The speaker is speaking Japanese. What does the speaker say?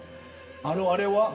あのあれは？